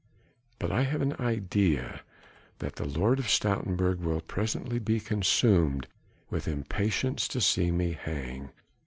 But I have an idea that the Lord of Stoutenburg will presently be consumed with impatience to see me hang